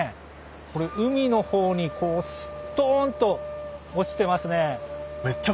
これ海の方にこうストンと落ちてますね。